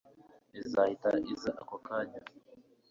ntizahita iza ako kanya